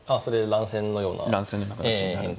乱戦のような形になる。